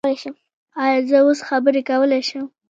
ایا زه اوس خبرې کولی شم؟